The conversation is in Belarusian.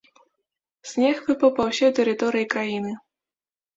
Снег выпаў па ўсёй тэрыторыі краіны.